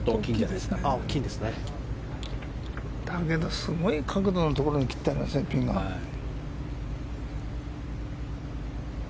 すごい角度のところに切ってありますね、ピンが。